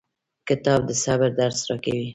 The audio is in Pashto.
کتاب د صبر درس راکوي.